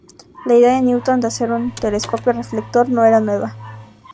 La idea de Newton de hacer un telescopio reflector no era nueva.